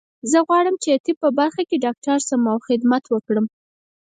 زه غواړم چې د طب په برخه کې ډاکټر شم او خدمت وکړم